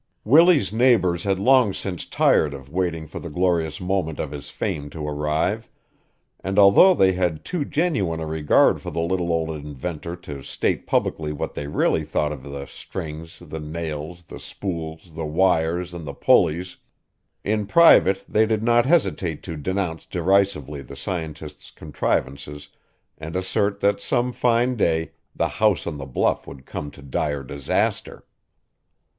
Willie's neighbors had long since tired of waiting for the glorious moment of his fame to arrive; and although they had too genuine a regard for the little old inventor to state publicly what they really thought of the strings, the nails, the spools, the wires, and the pulleys, in private they did not hesitate to denounce derisively the scientist's contrivances and assert that some fine day the house on the bluff would come to dire disaster.